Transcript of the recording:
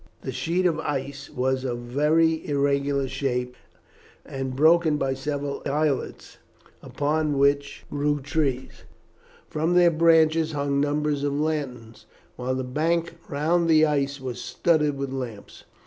The sheet of ice was of a very irregular shape and broken by several islets, upon which grew trees. From their branches hung numbers of lanterns, while the bank round the ice was studded with lamps.